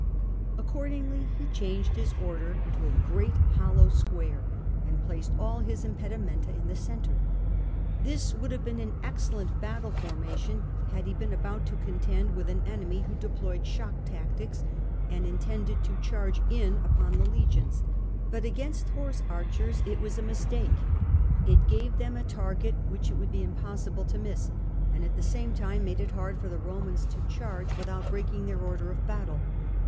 Accordingly he changed his order to a great hollow square, and placed all his impedi menta in its centre. This would have been an excellent battle formation had he been about to contend with an enemy who employed "'shock tactics," and intended to charge in upon the legions, but against horse archers it CRASSUS 198 was a mistake ; it gave them a target which it would be impossible to miss, and at the same time made it hard for the Romans to charge without breaking their order of battle.